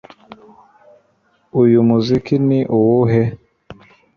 Uyu muziki ni uwuhe